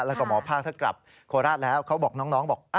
แล้วก็หมอภาคถ้ากลับโคราชแล้วเขาบอกน้องบอก